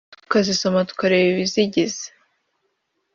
tukazisoma tukareba ibizigize